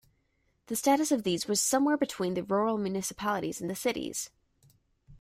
The status of these was somewhere between the rural municipalities and the cities.